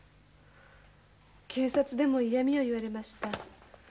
警察でも嫌みを言われました。